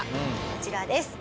こちらです。